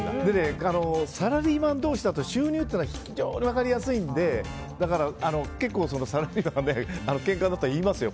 サラリーマン同士だと収入っていうのは非常に分かりやすいのでだから、結構サラリーマンでけんかになったら言いますよ。